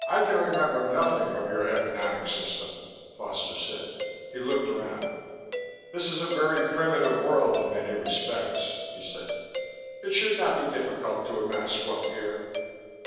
"I can remember nothing of your economic system," Foster said. He looked around. "This is a very primitive world, in many respects," he said. "It should not be difficult to amass wealth here."